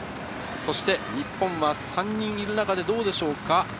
そして、日本は３人いる中でどうでしょうか。